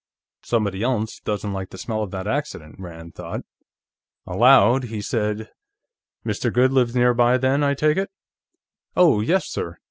Somebody else doesn't like the smell of that accident, Rand thought. Aloud, he said: "Mr. Goode lives nearby, then, I take it?" "Oh, yes, sir.